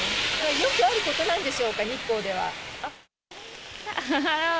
よくあることなんでしょうか、日光では。